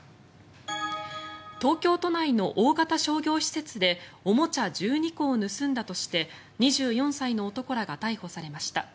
東京都内の大型商業施設でおもちゃ１２個を盗んだとして２４歳の男らが逮捕されました。